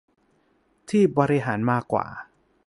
ที่บริหารมากว่า